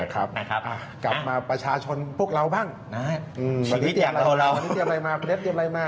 กลับมาประชาชนพวกเราบ้างวันนี้เตรียมอะไรมา